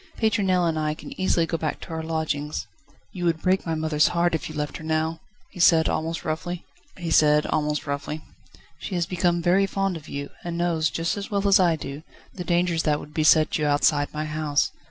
Pétronelle and I can easily go back to our lodgings." "You would break my mother's heart if you left her now," he said, almost roughly. "She has become very fond of you, and knows, just as well as I do, the dangers that would beset you outside my house.